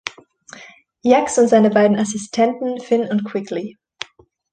Jax und seine beiden Assistenten Finn und Quigley.